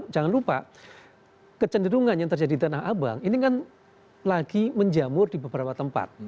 jangan lupa kecenderungan yang terjadi di tanah abang ini kan lagi menjamur di beberapa tempat